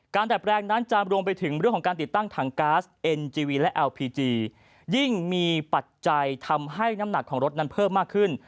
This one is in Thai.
ดัดแปลงนั้นจะรวมไปถึงเรื่องของการติดตั้งถังก๊าซเอ็นจีวีและแอลพีจียิ่งมีปัจจัยทำให้น้ำหนักของรถนั้นเพิ่มมากขึ้น